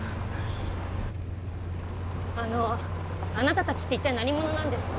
あのあなた達って一体何者なんですか？